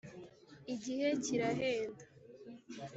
igihe kirahenda.